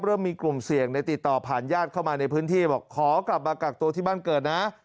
มีกลุ่มเสี่ยงในติดต่อผ่านญาติเข้ามาในพื้นที่บอกขอกลับมากักตัวที่บ้านเกิดนะ